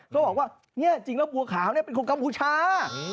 เขาบอกว่านี่จริงแล้วบัวขาวเป็นคนกรรมบูชา